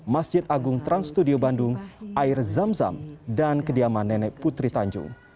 masjid agung trans studio bandung air zam zam dan kediaman nenek putri tanjung